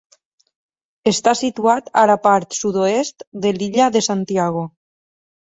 Està situat a la part sud-oest de l'illa de Santiago.